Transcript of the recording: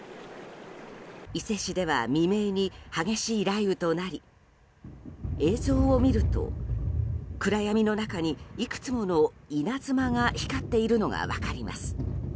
伊勢市では未明に激しい雷雨となり映像を見ると、暗闇の中にいくつもの稲妻が光っているのが分かります。